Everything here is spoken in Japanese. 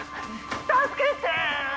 助けて！